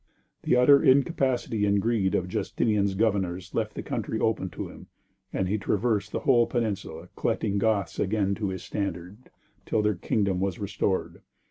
The utter incapacity and greed of Justinian's governors left the country open to him, and he traversed the whole peninsula collecting Goths again to his standard, till their kingdom was restored.